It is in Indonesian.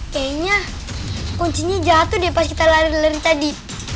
kayaknya kuncinya jatuh deh pas kita lari lari tadi